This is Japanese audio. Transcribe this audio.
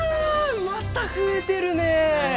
また増えてるね！